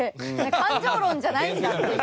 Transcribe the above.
感情論じゃないんだっていう。